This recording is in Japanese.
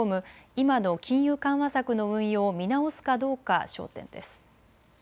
今の金融緩和策の運用を見直すかどうかが焦点です。